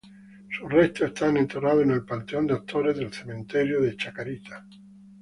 Sus restos están enterrados en el Panteón de Actores del Cementerio de Chacarita.